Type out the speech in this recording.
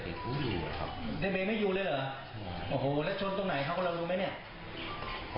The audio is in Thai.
ได้ไปไม่ยุเลยเหรอ